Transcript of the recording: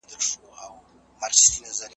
په ژمي کې وړین کالي واغوندئ.